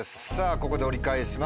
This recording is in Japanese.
ここで折り返します。